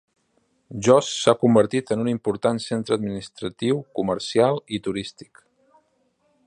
Jos s'ha convertit en un important centre administratiu, comercial i turístic.